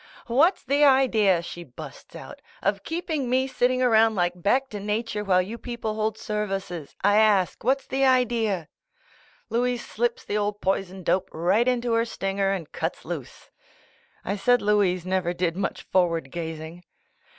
"What's the idea?" she busts outj "of keeping me sitting around like backto nature while you people hold services. I ask, what's the idea?" Louise slips the old poison dope right into her stinger and cuts loose. I said Louise never did much forward gazing.